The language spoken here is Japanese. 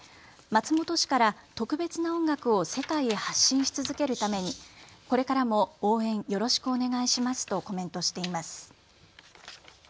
松本市から特別な音楽を世界へ発信し続けるためにこれからも応援よろしくお願いしますとコメントしています。